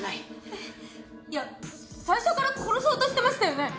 えっいや最初から殺そうとしてましたよね？